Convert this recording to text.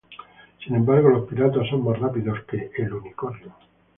Sin embargo, los piratas son más rápidos que El Unicornio.